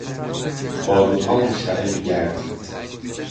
باروتها مشتعل گردید.